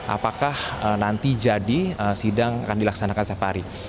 apakah nanti jadi sidang akan dilaksanakan setiap hari